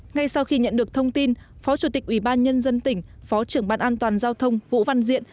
ngay sau khi nhận được thông tin phó chủ tịch ủy ban nhân dân tỉnh phó trưởng ban an toàn giao thông vũ văn diện